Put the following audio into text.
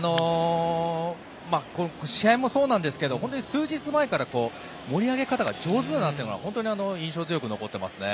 試合もそうなんですけど数日前から盛り上げ方が上手だなというのは本当に印象強く残っていますね。